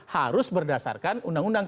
harus berdasarkan undang undang